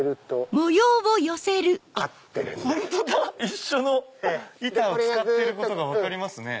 一緒の板を使ってることが分かりますね。